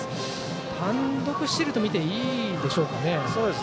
単独スチールと見ていいでしょうかね。